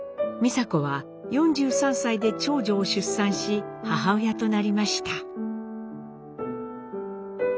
美佐子は４３歳で長女を出産し母親となりました。